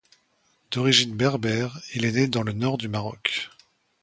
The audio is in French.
D'origine berbère, il est né dans le nord du Maroc.